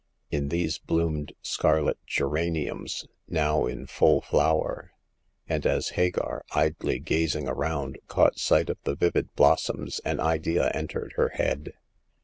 In these bloomed scarlet geraniums, now in full flower ; and as Hagar, idly gazing around, caught sight of the vivid blossoms an idea entered her head.